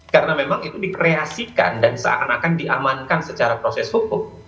karena memang itu dikreasikan dan seakan akan diamankan secara proses hukum